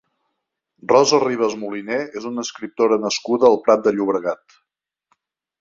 Rosa Ribas Moliné és una escriptora nascuda al Prat de Llobregat.